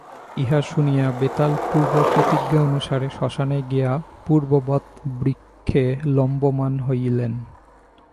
ইহা শুনিয়া বেতাল পূর্বপ্রতিজ্ঞা অনুসারে শ্মশানে গিয়া পূর্ববৎ বৃক্ষে লম্বমান হইল।